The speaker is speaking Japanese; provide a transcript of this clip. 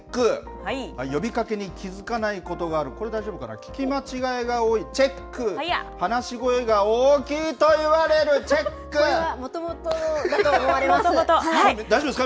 呼びかけに気付かないことがある、これ大丈夫かな、聞き間違えが多い、チェック、話し声が大きいとこれはもともとだと思われま大丈夫ですか？